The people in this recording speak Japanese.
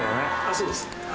そうです。